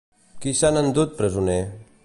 Qui s'han endut presoner?